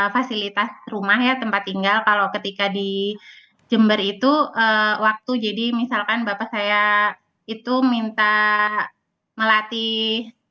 fasilitas rumah ya tempat tinggal kalau ketika di jember itu waktu jadi misalkan bapak saya itu minta melatih